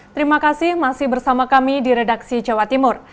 terima kasih masih bersama kami di redaksi jawa timur